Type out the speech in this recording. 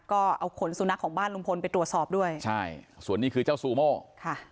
ก็เอาขนสุนัขของบ้านลุงพลไปตรวจสอบด้วยใช่ส่วนนี้คือเจ้าซูโม่ค่ะ